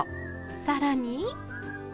更に。